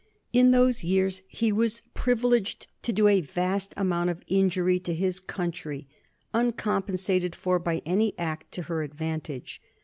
In those years he was privileged to do a vast amount of injury to his country, uncompensated for by any act to her advantage.